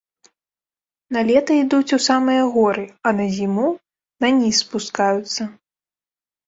На лета ідуць у самыя горы, а на зіму на ніз спускаюцца.